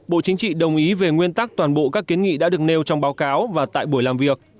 bộ chính trị đồng ý về nguyên tắc toàn bộ các kiến nghị đã được nêu trong báo cáo và tại buổi làm việc